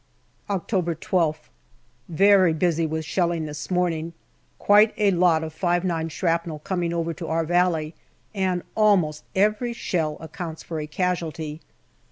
October 12th. Very busy with shelling this morning. Quite a lot of 5*9 shrapnel coming over to our valley, and almost every shell accounts for a casualty.